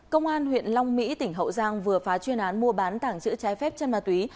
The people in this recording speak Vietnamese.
công an huyện long mỹ tỉnh hậu giang vừa phá chuyên án mua bán tảng chữ trái phép chân ma túy